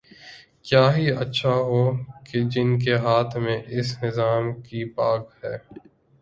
کیا ہی اچھا ہو کہ جن کے ہاتھ میں اس نظام کی باگ ہے۔